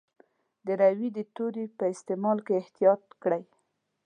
د روي د توري په استعمال کې احتیاط کړی.